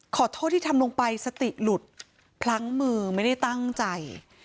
ขอโทษที่ทำลงไปสติหลุดพลั้งมือไม่ได้ตั้งใจ